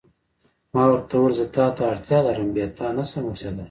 ما ورته وویل: زه تا ته اړتیا لرم، بې تا نه شم اوسېدای.